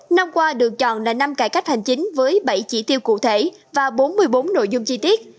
năm qua được chọn là năm cải cách hành chính với bảy chỉ tiêu cụ thể và bốn mươi bốn nội dung chi tiết